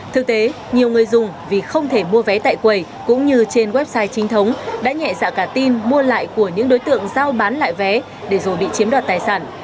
thực tế nhiều người dùng vì không thể mua vé tại quầy cũng như trên website chính thống đã nhẹ dạ cả tin mua lại của những đối tượng giao bán lại vé để rồi bị chiếm đoạt tài sản